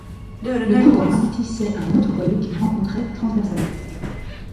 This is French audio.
Le couloir aboutissait à un autre boyau qu'il rencontrait transversalement.